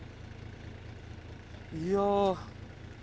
いや。